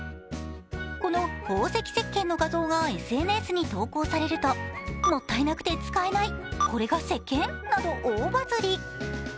この宝石石鹸の画像がＳＮＳに投稿されると、もったいなくて使えない、これが石鹸？など、大バズリ。